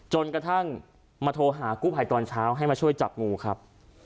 จนกระทั่งมาโทรหากู้ภัยตอนเช้าให้มาช่วยจับงูครับ